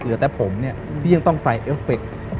เหลือแต่ผมเนี่ยที่ยังต้องใส่เอฟเฟค